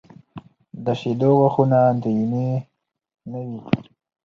د شېدو غاښونه دایمي نه وي.